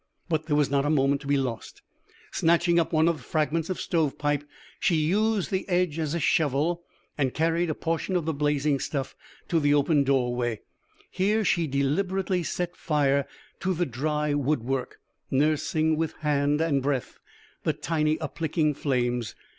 But there was not a moment to be lost. Snatching up one of the fragments of stove pipe, she used the edge as a shovel, and carried a portion of the blazing stuff to the open doorway. Here she deliberately set fire to the dry woodwork, nursing with hand and breath the tiny uplicking flames.